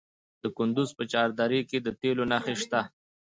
د کندز په چهار دره کې د تیلو نښې شته.